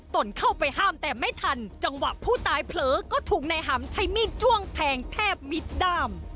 ตนเข้าไปห้ามแต่ไม่ทันจังหวะผู้ตายเผลอก็ถูกนายหำใช้มีดจ้วงแทงแทบมิดด้าม